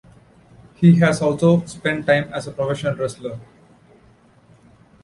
He has also spent time as a professional wrestler.